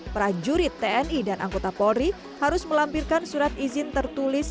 prajurit tni dan anggota polri harus melampirkan surat izin tertulis